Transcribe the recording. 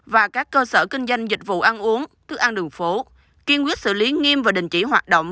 và các cơ sở kinh doanh dịch vụ ăn uống thức ăn đường phố kiên quyết xử lý nghiêm và đình chỉ hoạt động